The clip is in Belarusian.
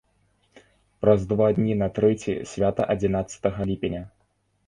Праз два дні на трэці свята адзінаццатага ліпеня.